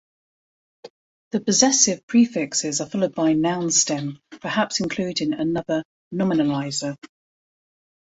The possessive prefixes are followed by noun stem, perhaps including another nominalizer.